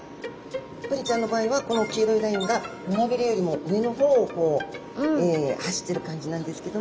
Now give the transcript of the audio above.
ブリちゃんの場合はこの黄色いラインが胸びれよりも上の方を走ってる感じなんですけども。